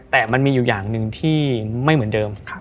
แต่มันมีอยู่อย่างหนึ่งที่ไม่เหมือนเดิม